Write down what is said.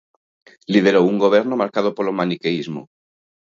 Liderou un goberno marcado polo maniqueísmo.